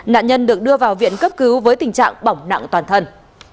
nạn nhân được đưa vào viện cấp cứu với tình trạng bỏng nặng toàn thân